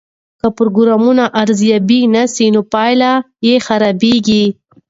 که پروګرامونه ارزیابي نسي نو پایلې یې خرابیږي.